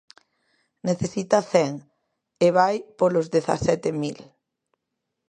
Necesita cen, e vai polos dezasete mil.